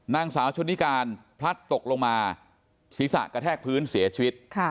นางสาวชนนิการพลัดตกลงมาศีรษะกระแทกพื้นเสียชีวิต